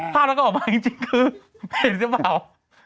ภาพนั้นก็ออกมาจริงคือเห็นเจ้าบ่าว